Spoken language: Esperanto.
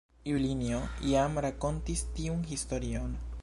Julinjo, jam rakontis tiun historion.